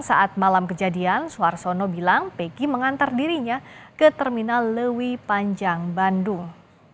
saat malam kejadian suarsono bilang peggy mengantar dirinya ke terminal lewi panjang bandung